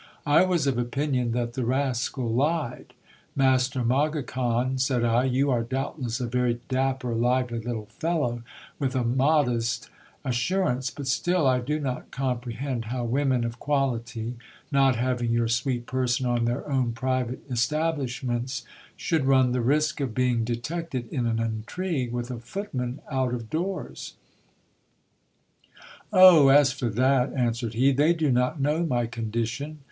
I was of opinion that the rascal lied. Master Mogicon, said I, you are doubtless a very dapper, lively little fellow, with a modest as surance ; but still I do not comprehend how women of quality, not having your sweet person on their own private establishments, should run the risk of being detected in an intrigue with a footman out of doors. Oh ! as for that, answer ed he, they do not know my condition.